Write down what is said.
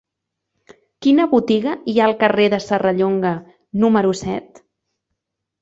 Quina botiga hi ha al carrer de Serrallonga número set?